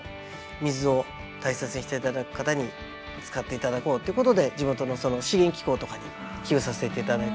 水を大切にしていただく方に使っていただこうっていうことで地元の資源機構とかに寄付させていただいて。